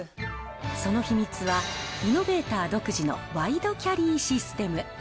その秘密はイノベーター独自のワイドキャリーシステム。